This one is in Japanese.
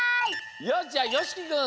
よしじゃあよしきくん！